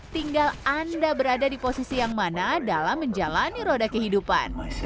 tinggal anda berada di posisi yang mana dalam menjalani roda kehidupan